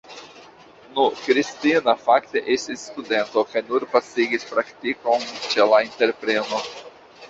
Nu, Kristina fakte estis studento kaj nur pasigis praktikon ĉe la entrepreno.